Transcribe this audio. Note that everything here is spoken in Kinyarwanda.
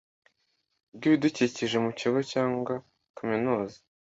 bw ibidukikije mu kigo cyangwa kaminuza